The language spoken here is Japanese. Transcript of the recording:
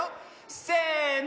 せの。